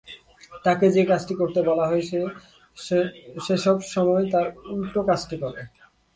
তাকে যে-কাজটি করতে বলা হয় সেসব সময় তার উলটো কাজটি করে।